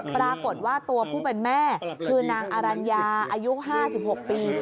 ปรากฏว่าตัวผู้เป็นแม่คือนางอรัญญาอายุ๕๖ปี